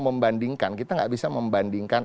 membandingkan kita nggak bisa membandingkan